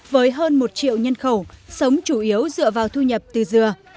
với hơn một triệu nhân khẩu sống chủ yếu dựa vào thu nhập từ dừa